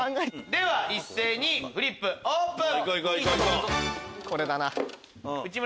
では一斉にフリップオープン！